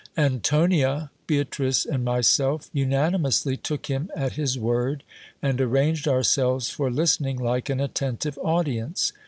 Antonia, Beatrice, and myself, unanimously took him at his word, and arranged ourselves for listening like an attentive audience.